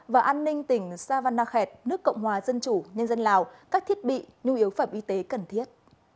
và an ninh tỉnh savanakhet nước cộng hòa dân chủ nhân dân lào các thiết bị nhu yếu phẩm y tế cần thiết